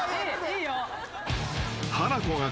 いいよ。